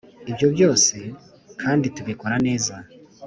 Ibyo byose kandi tubikora neza